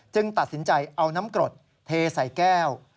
ตัดสินใจเอาน้ำกรดเทใส่แก้ว